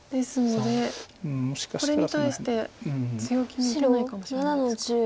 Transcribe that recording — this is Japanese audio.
ですのでこれに対して強気に打てないかもしれないですか。